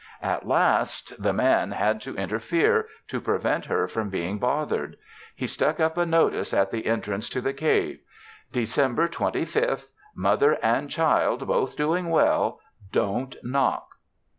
At last the Man had to interfere to prevent her from being bothered. He stuck up a notice at the entrance to the cave, _December 25th. Mother And Child Both Doing Well. Don't knock.